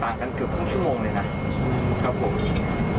ต่างกันแค่ครึ่งชั่วโมงเลยนะครับผม